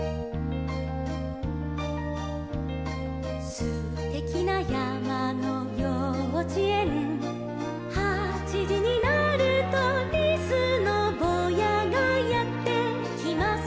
「すてきなやまのようちえん」「はちじになると」「リスのぼうやがやってきます」